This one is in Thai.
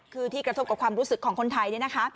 คือที่กระทบกับความรู้สึกของคนไทย